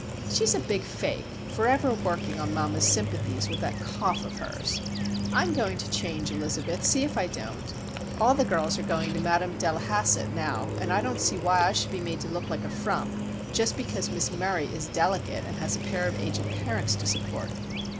She's a big fake,—forever working on mamma's sympathies with that cough of hers! I'm going to change, Elizabeth, see if I don't! All the girls are going to Madam Delahasset, now; and I don't see why I should be made to look like a frump, just because Miss Murray is delicate, and has a pair of aged parents to support!"